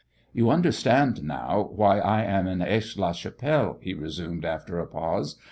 "You understand now why I am in Aix la Chapelle," he resumed after a pause.